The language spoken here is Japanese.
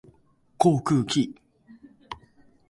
航空機